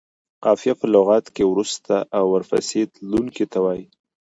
قافیه په لغت کې وروسته او ورپسې تلونکي ته وايي.